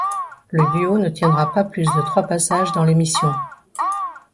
Le duo ne tiendra pas plus de trois passages dans l'émission.